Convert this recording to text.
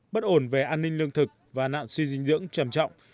bất ổn về an ninh lương thực và nạn suy dinh dưỡng trầm trọng